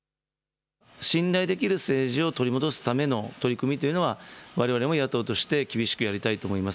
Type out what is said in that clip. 信頼できる政治を取り戻すための取り組みというのは、われわれも野党として厳しくやりたいと思います。